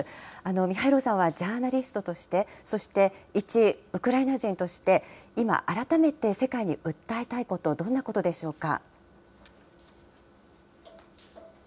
ミハイロさんはジャーナリストとして、そして一ウクライナ人として、今、改めて世界に訴えたいこと、どんなことでしょうか。